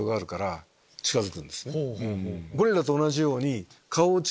ゴリラと同じように。